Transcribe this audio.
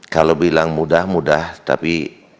kalau bilang mudah mudah tapi